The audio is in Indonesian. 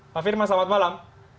pak firman selamat malam